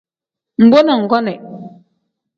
Mbo na nggonii.